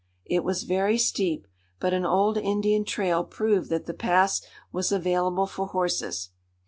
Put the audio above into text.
It was very steep, but an old Indian trail proved that the pass was available for horses.